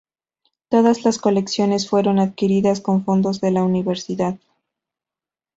Todas las colecciones fueron adquiridas con fondos de la Universidad.